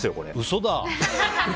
嘘だ！